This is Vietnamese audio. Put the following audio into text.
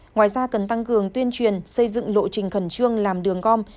ngoài ra cần tăng cường tuyên truyền xây dựng lộ trình khẩn trương làm đường gom